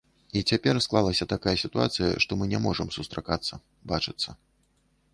І цяпер склалася такая сітуацыя, што мы не можам сустракацца, бачыцца.